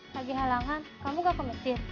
pagi halangan kamu gak ke masjid